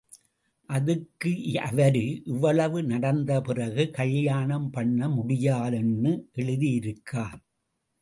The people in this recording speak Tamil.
அதுக்கு அவரு, இவ்வளவு நடந்த பிறகு கல்யாணம் பண்ண முடியாது ன்னு எழுதியிருக்கார்.